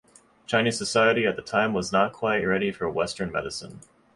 Chinese society at the time was not quite ready for western medicine.